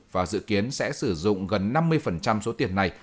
và dự kiến sẽ sử dụng gần năm mươi số tiền này